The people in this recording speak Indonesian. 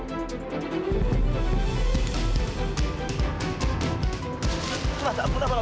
serius siap katanya